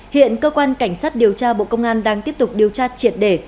hiện cơ quan cảnh sát điều tra bộ công an đang tiếp tục điều tra triệt đề